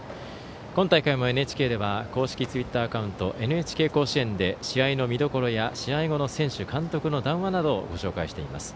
今大会もＮＨＫでは公式ツイッターアカウント「ＮＨＫ甲子園」で試合の見どころや試合後の選手、監督の談話などをご紹介しています。